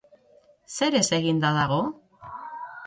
Zerez eginda dago?